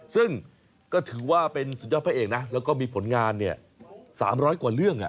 ซึ่งก็ถือว่าเป็นสุดยอดพระเอกนะแล้วก็มีผลงาน๓๐๐กว่าเรื่อง